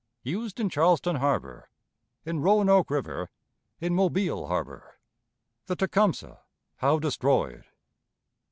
Used in Charleston Harbor; in Roanoke River; in Mobile Harbor. The Tecumseh, how destroyed.